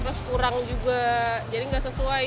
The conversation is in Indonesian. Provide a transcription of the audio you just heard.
terus kurang juga jadi nggak sesuai